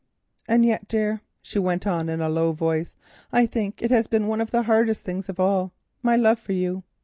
"And yet, dear," she went on in a low voice, "I think it has been one of the hardest things of all—my love for you.